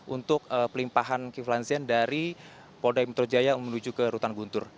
untuk pelimpahan kiflan zen dari polda metro jaya menuju ke rutan guntur